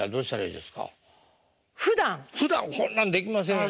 ふだんこんなんできませんやん。